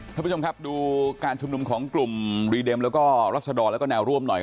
ท่านผู้ชมครับดูการชุมนุมของกลุ่มรีเดมแล้วก็รัศดรแล้วก็แนวร่วมหน่อย